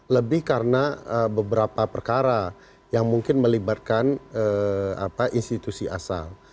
lebih karena beberapa perkara yang mungkin melibatkan institusi asal